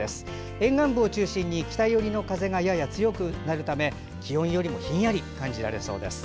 沿岸部を中心に北寄りの風がやや強いため気温よりもひんやり感じられそうです。